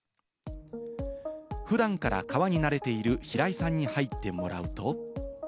普段から川に慣れている平井さんに入ってもらうと。